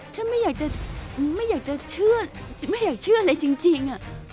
ฉันไม่อยากเชื่อทางเลยจริง